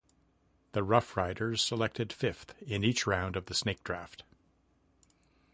The Roughriders selected fifth in each round of the snake draft.